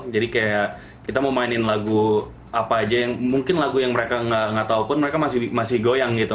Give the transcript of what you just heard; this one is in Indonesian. jadi kayak kita mau mainin lagu apa aja yang mungkin lagu yang mereka gak tau pun mereka masih goyang gitu